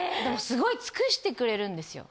すごい尽くしてくれるんですよ。